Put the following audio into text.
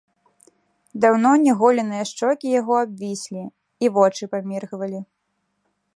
Даўно не голеныя шчокі яго абвіслі, і вочы паміргвалі.